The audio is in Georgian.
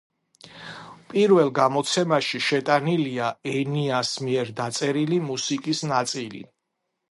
პირველ გამოცემაში შეტანილია ენიას მიერ დაწერილი მუსიკის ნაწილი.